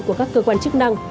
của các cơ quan chức năng